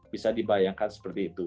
bisa dibayangkan seperti itu